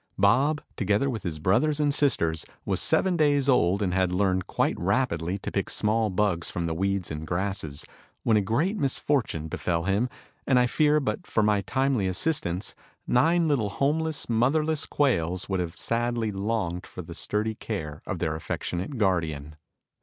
Bob, together with his brothers and sisters, was seven days old and had learned quite rapidly to pick small bugs from the weeds and grasses, when a great misfortune befell him and I fear but for my timely assistance nine little homeless, motherless quails would have sadly longed for the sturdy care of their affectionate guardian.